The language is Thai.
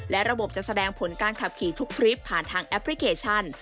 และระบบจะแสดงผลการขับขี่ทุกคลิปผ่านทางแอปพลิเคชัน